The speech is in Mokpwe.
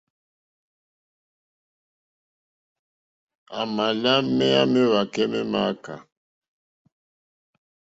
À mà lá méyá méwàkɛ́ mé mááká.